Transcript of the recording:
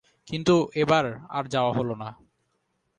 কিন্তু এবার আর যাওয়া হল না।